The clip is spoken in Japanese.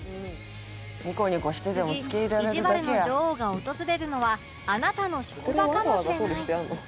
次いじわるの女王が訪れるのはあなたの職場かもしれない